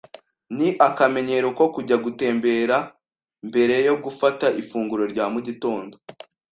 Ni akamenyero ko kujya gutembera mbere yo gufata ifunguro rya mu gitondo.